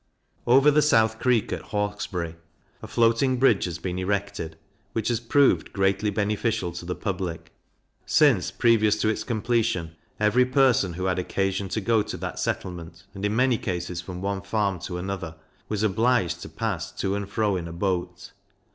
Over the south creek at Hawkesbury a floating bridge has been erected, which has proved greatly beneficial to the public; since, previous to its completion, every person who had occasion to go to that settlement, and in many cases from one farm to another, was obliged to pass to and fro in a boat.